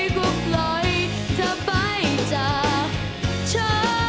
ก็ปล่อยเธอไปจ้า